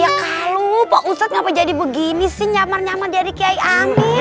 ya kalau pak ustadz ngapa jadi begini sih nyamar nyamar dari kiai amin